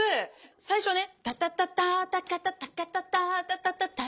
最初ね「タタタタタカタタカタタタタタタラ」